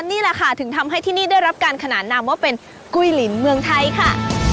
นี่แหละค่ะถึงทำให้ที่นี่ได้รับการขนานนามว่าเป็นกุ้ยลินเมืองไทยค่ะ